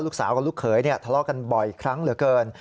ลูกสาวกับลูกเขยทะเลาะกันบ่อยครั้งเหลือเกิน